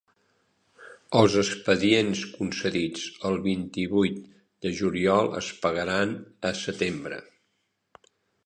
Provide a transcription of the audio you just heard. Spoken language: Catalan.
Els expedients concedits el vint-i-vuit de juliol es pagaran a setembre.